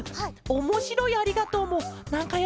おもしろい「ありがとう」は。